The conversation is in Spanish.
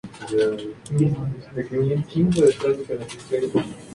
Creó una imagen representando a un miembro de la familia como un hada.